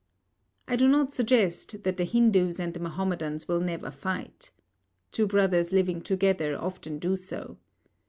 I do not suggest that the Hindus and the Mahomedans will never fight. Two brothers living together often do so.